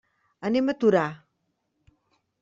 Anem a Torà.